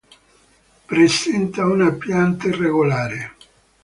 Presenta una pianta irregolare.